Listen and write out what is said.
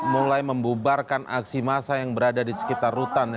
mulai membubarkan aksi massa yang berada di sekitar rutan